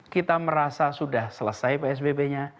kita merasa sudah selesai psbb nya